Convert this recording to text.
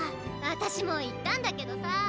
私も言ったんだけどさあ。